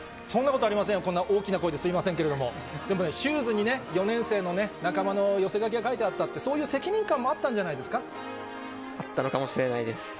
そんなことありませんよ、こんな大きな声ですみませんけれども、でもね、シューズに４年生のね、仲間の寄せ書きが書いてあったって、そういう責任感もあっあったのかもしれないです。